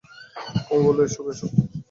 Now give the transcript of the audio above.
কুমু বললে, এসো, বোসো।